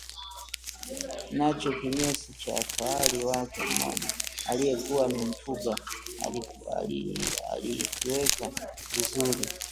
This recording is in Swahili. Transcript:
Nacho kinyesi cha fahali wake mmoja aliyekuwa amemfuga alikiweka vizuri